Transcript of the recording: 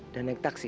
dan naik taksi